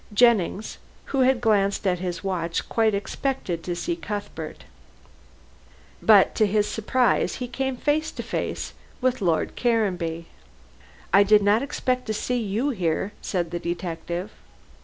Jennings, who had glanced at his watch, quite expected to see Cuthbert. But, to his surprise, he came face to face with Lord Caranby. "I did not expect to see you here," said the detective.